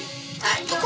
どこ？